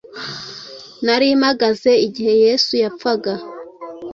Nari mpagaze igihe Yesu yapfaga;